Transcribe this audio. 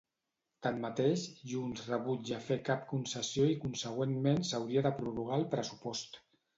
Tanmateix, Junts rebutja fer cap concessió i consegüentment s'hauria de prorrogar el pressupost.